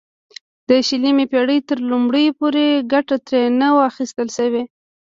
د شلمې پېړۍ تر لومړیو پورې ګټه ترې نه وه اخیستل شوې.